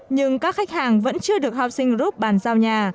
nhưng các khách hàng vẫn chưa được housing group bàn giao nhà